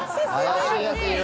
怪しいヤツいる！